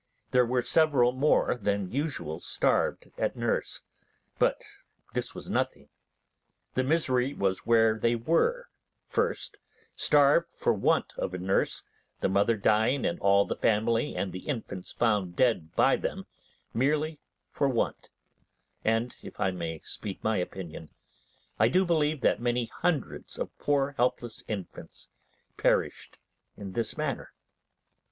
There were several more than usual starved at nurse, but this was nothing. The misery was where they were, first, starved for want of a nurse, the mother dying and all the family and the infants found dead by them, merely for want; and, if I may speak my opinion, I do believe that many hundreds of poor helpless infants perished in this manner.